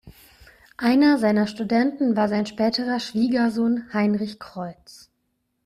Einer seiner Studenten war sein späterer Schwiegersohn Heinrich Kreutz.